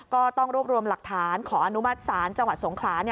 ก็ต้องรวบรวมหลักฐานขออนุมัติศาลจังหวัดสงขลา